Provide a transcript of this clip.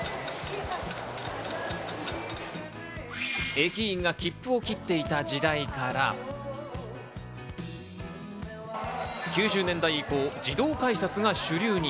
駅員が切符を切っていた時代から、９０年代以降、自動改札が主流に。